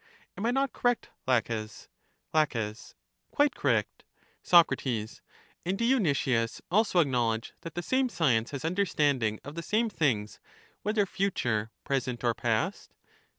Am I not correct, Laches? La, Quite correct. Soc, And do you, Nicias, also acknowledge that the same science has understanding of the same things, whether future, present, or past?